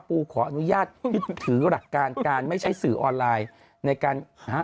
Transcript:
ปูขออนุญาตคิดถือหลักการการไม่ใช้สื่อออนไลน์ในการฮะ